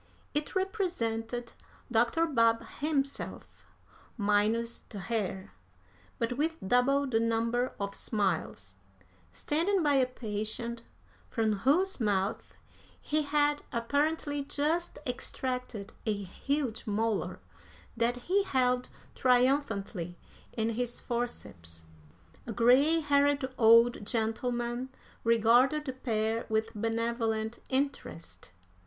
It represented Dr. Babb himself, minus the hair, but with double the number of smiles, standing by a patient from whose mouth he had apparently just extracted a huge molar that he held triumphantly in his forceps. A gray haired old gentleman regarded the pair with benevolent interest.